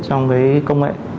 trong cái công nghệ